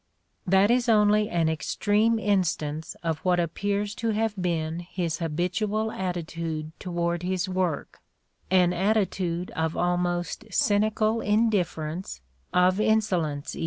That is only an extreme instance of what appears to have been his habitual attitude toward his work, an attitude of almost cynical indifference, of insolence even.